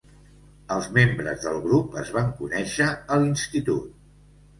Els membres del grup es van conèixer a l'institut.